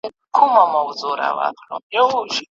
په ښارونو په دښتونو کي وړیا وه